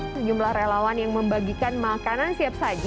sejumlah relawan yang membagikan makanan siap saji